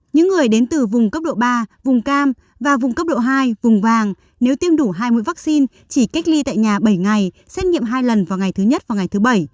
những người đến từ vùng cấp độ ba vùng cam và vùng cấp độ hai vùng vàng nếu tiêm đủ hai mũi vaccine chỉ cách ly tại nhà bảy ngày xét nghiệm hai lần vào ngày thứ nhất và ngày thứ bảy